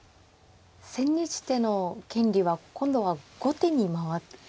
千日手の権利は今度は後手に回ってきましたか。